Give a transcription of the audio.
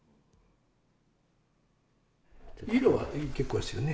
色は大変結構ですよね。